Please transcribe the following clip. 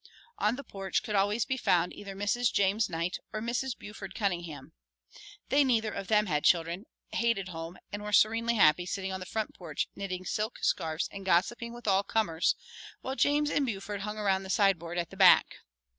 On the porch could always be found either Mrs. James Knight or Mrs. Buford Cunningham. They neither of them had children, hated home and were serenely happy sitting on the front porch knitting silk scarfs and gossiping with all comers, while James and Buford hung around the sideboard at the back.